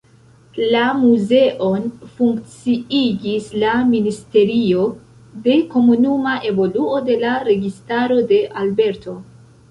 La muzeon funkciigis la Ministerio de Komunuma Evoluo de la Registaro de Alberto.